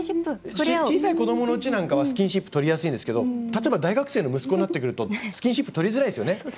小さい子どものうちなんかはスキンシップとりやすいんですが、例えば大学生の息子になってくるとスキンシップとりづらいですよね。